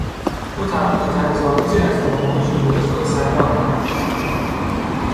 او تقلید طنزآمیزی از رومئو و ژولیت را به صحنه آورد.